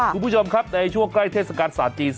คุณผู้ชมครับในช่วงใกล้เทศกาลศาสตร์จีน